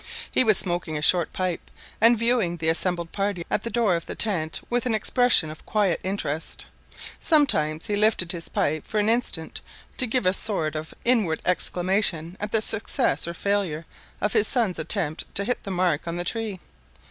He was smoking a short pipe, and viewing the assembled party at the door of the tent with an expression of quiet interest; sometimes he lifted his pipe for an instant to give a sort of inward exclamation at the success or failure of his sons' attempts to hit the mark on the tree.